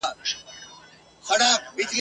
لویی وني دي ولاړي شنه واښه دي ..